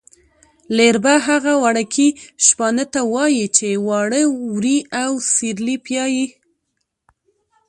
لېربه هغه وړکي شپانه ته وايي چې واړه وري او سېرلی پیایي.